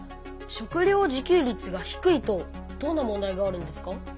食料自給率が低いとどんな問題があるんですか？